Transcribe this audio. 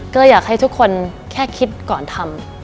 ก็อยากให้ทุกคนแค่คิดก่อนทำ